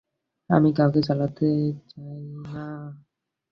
আমি কাউকে জ্বালাতন করতে চাই না।